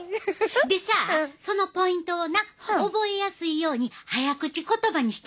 でさそのポイントをな覚えやすいように早口言葉にしてみてん。